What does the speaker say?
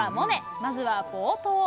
まずは冒頭。